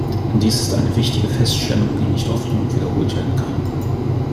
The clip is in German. Dies ist eine wichtige Feststellung, die nicht oft genug wiederholt werden kann.